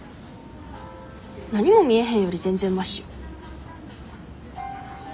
何も見えへんより全然マシよ。